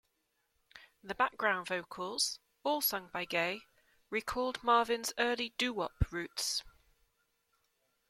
The background vocals, all sung by Gaye, recalled Marvin's early doo-wop roots.